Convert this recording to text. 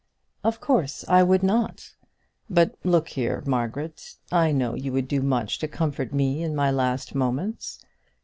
"Of course I would not." "But, look here, Margaret; I know you would do much to comfort me in my last moments."